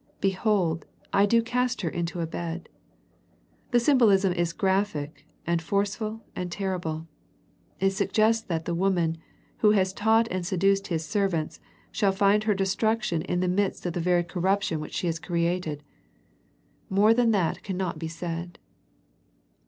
" Be hold, I do cast her into a bed." The symbo lism is graphic and forceful and terrible. It suggests that the woman, who has taught and seduced His servants, shall find her destruc tion in the midst of the very corruption which The Thyatlra Letter 125 she has created. More than that cannot be said.